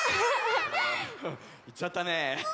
いっちゃったね。